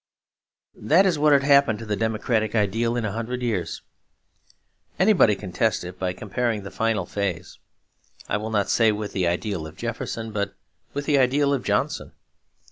That is what had happened to the democratic ideal in a hundred years. Anybody can test it by comparing the final phase, I will not say with the ideal of Jefferson, but with the ideal of Johnson.